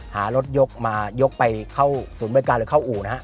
หารถยกไปเผถาศูนย์บริการหรือเช่าอู่